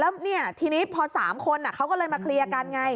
แล้วเนี่ยทีนี้พอ๓คนเขาก็เลยมาเคลียร์กันไง